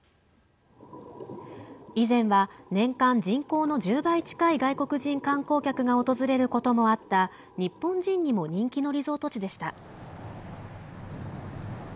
以前は、年間人口の１０倍近い外国人観光客が訪れることもあった日本人にも人気のリゾート地でした。